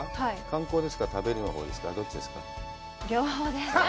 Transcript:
観光ですか、食べるほうですか、どっちのほうですか。